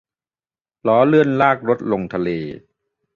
ล้อเลื่อนลากรถลงทะเล